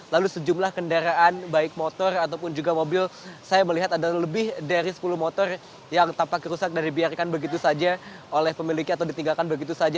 lalu sejumlah kendaraan baik motor ataupun juga mobil saya melihat ada lebih dari sepuluh motor yang tampak rusak dan dibiarkan begitu saja oleh pemiliknya atau ditinggalkan begitu saja